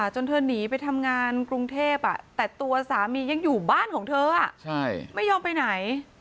จนเธอหนีไปทำงานกรุงเทพแต่ตัวสามียังอยู่บ้านของเธอไม่ยอมไปไหน